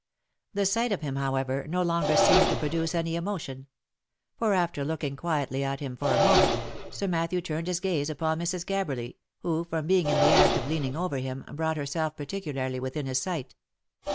The sight of him, however, no longer seemed to produce any emotion ; for after looking quietly at him for a moment, Sir Matthew turned his gaze upon Mrs. Gabberly, who from being in the act of leaning over him, brought herself particularly within his sight.